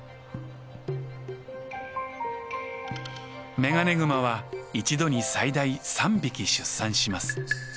メガネグマは一度に最大３匹出産します。